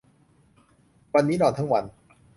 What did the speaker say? วันนี้นอนทั้งวัน